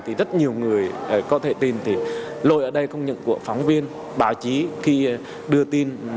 thì rất nhiều người có thể tin thì lội ở đây không những của phóng viên báo chí khi đưa tin